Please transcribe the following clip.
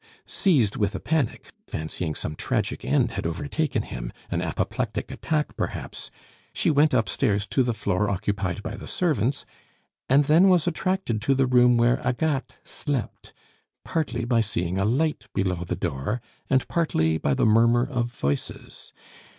Seized with a panic, fancying some tragic end had overtaken him an apoplectic attack, perhaps she went upstairs to the floor occupied by the servants, and then was attracted to the room where Agathe slept, partly by seeing a light below the door, and partly by the murmur of voices.